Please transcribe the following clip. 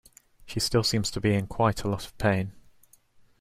She still seems to be in quite a lot of pain.